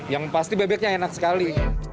yang pasti bebeknya enak sekali